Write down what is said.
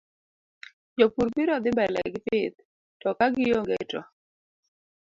Jopur biro dhi mbele gi pith to ka gionge to